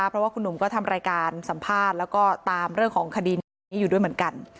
เพราะว่าคุณหนุ่มก็ทำรายการสัมภาษณ์แล้วก็ตามเรื่องของคดีนี้อยู่ด้วยเหมือนกัน